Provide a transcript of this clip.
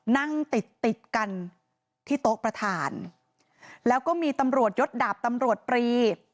นั่งติดติดกันที่โต๊ะประธานแล้วก็มีตำรวจยศดาบตำรวจตรี